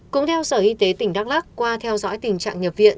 cũng theo sở y tế tỉnh đắk lắc qua theo dõi tình trạng nhập viện